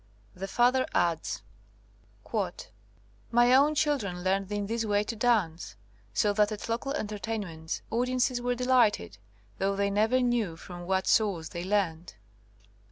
The father adds : '*My own children learned 154 SOME SUBSEQUENT CASES in this way to dance, so that at local enter tainments audiences were delighted, though they never knew from what source they learned."